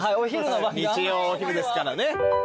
日曜お昼ですからね。